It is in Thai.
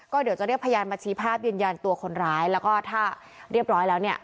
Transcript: เดี๋ยวจะเรียกพยานมาชี้ภาพยืนยันตัวคนร้ายแล้วก็ถ้าเรียบร้อยแล้วเนี่ย